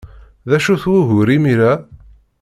D acu-t wugur imir-a?